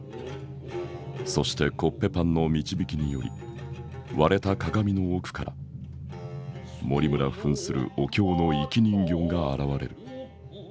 そしてコッペパンの導きにより割れた鏡の奥から森村ふんするお京の生き人形が現れる。